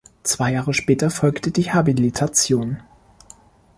Zwei Jahre später folgte die Habilitation.